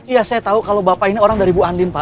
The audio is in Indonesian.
iya saya tahu kalau bapak ini orang dari bu andin pak